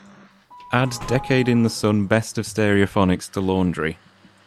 Add decade in the sun best of stereophonics to laundry.